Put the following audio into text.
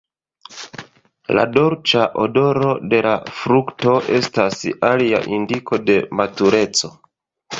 La dolĉa odoro de la frukto estas alia indiko de matureco.